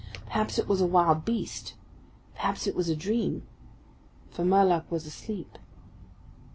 Perhaps it was a wild beast; perhaps it was a dream. For Murlock was asleep.